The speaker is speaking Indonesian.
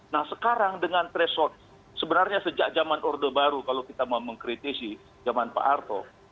nah sekarang dengan threshold sebenarnya sejak zaman orde baru kalau kita mau mengkritisi zaman pak arto